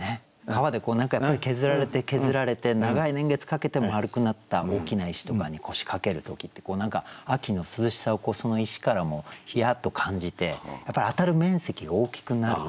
川で何回も削られて削られて長い年月かけて丸くなった大きな石とかに腰掛ける時って何か秋の涼しさをその石からもひやっと感じてやっぱり当たる面積が大きくなる。